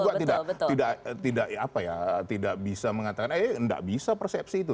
juga tidak bisa mengatakan eh tidak bisa persepsi itu